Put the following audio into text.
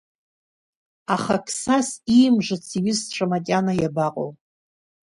Аха Қсас иимжыц иҩызцәа макьана иабаҟоу!